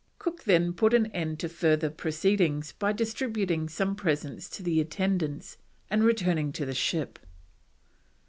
Cook then put an end to further proceedings by distributing some presents to the attendants and returning to the ship.